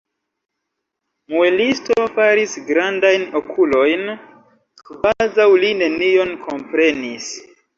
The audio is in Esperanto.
Muelisto faris grandajn okulojn, kvazaŭ li nenion komprenis.